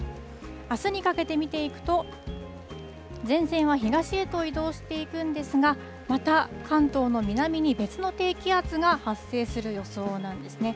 あすにかけて見ていくと、前線は東へと移動していくんですが、また関東の南に別の低気圧が発生する予想なんですね。